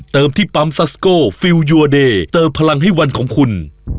ที่ปั๊มซัสโกฟิลยูอเดย์เติมพลังให้วันของคุณ